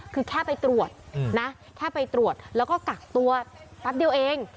คือแค่ไปตรวจนะแค่ไปตรวจแล้วก็กักตัวแป๊บเดียวเอง